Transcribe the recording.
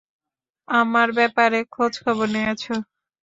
আমার ব্যাপারে খোঁজখবর নিয়েছো!